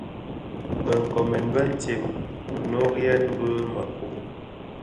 Bë nkoomèn bëntsem nnoriyèn bi mëku.